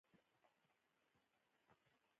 • ونه د کرنې لپاره لازمي ده.